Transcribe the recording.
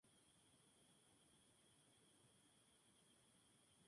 La protagonista y sus padres son cristianos, mientras que el joven es pagano.